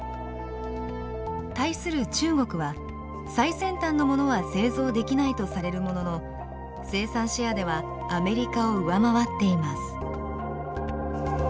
対する中国は最先端のものは製造できないとされるものの生産シェアではアメリカを上回っています。